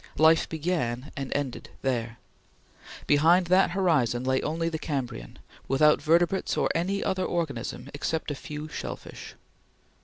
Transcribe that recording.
Life began and ended there. Behind that horizon lay only the Cambrian, without vertebrates or any other organism except a few shell fish.